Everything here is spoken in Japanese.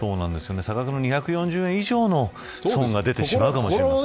差額の２４０円以上の損が出てしまうかもしれない。